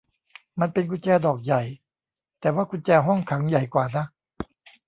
มันเป็นกุญแจดอกใหญ่ แต่ว่ากุญแจห้องขังใหญ่กว่านะ